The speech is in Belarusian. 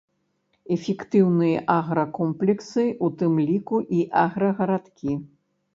Эфектыўныя агракомплексы, у тым ліку і аграгарадкі.